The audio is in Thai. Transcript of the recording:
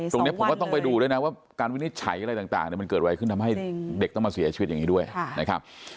ตรงนี้ผมก็ต้องไปดูด้วยนะว่าการวินิจฉัยอะไรต่างมันเกิดอะไรขึ้นทำให้เด็กต้องมาเสียชีวิตอย่างนี้ด้วยนะครับ